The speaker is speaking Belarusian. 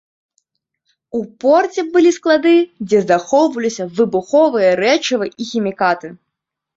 У порце былі склады, дзе захоўваліся выбуховыя рэчывы і хімікаты.